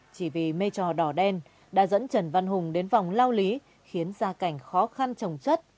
chỉ vì mê trò đỏ đen đã dẫn trần văn hùng đến vòng lao lý khiến gia cảnh khó khăn trồng chất